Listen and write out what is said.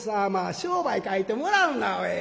商売書いてもらうなおい。